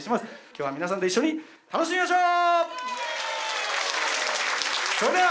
今日は皆さんと一緒に楽しみましょう！